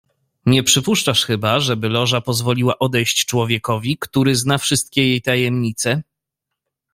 "Nie przypuszczasz chyba, żeby Loża pozwoliła odejść człowiekowi, który zna wszystkie jej tajemnice?"